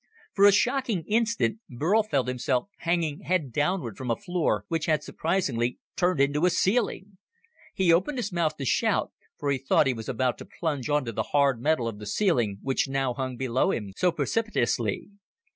For a shocking instant, Burl felt himself hanging head downward from a floor which had surprisingly turned into a ceiling. He opened his mouth to shout, for he thought he was about to plunge onto the hard metal of the ceiling which now hung below him so precipitously.